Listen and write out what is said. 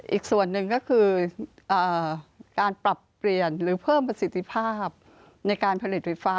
อีกส่วนหนึ่งก็คือการปรับเปลี่ยนหรือเพิ่มประสิทธิภาพในการผลิตไฟฟ้า